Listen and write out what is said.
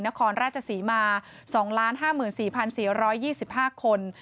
นครราชศรีมา๒๕๔๔๒๕คน